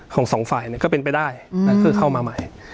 ของสองฝ่ายก็เป็นไปได้และเข้ามาใหม่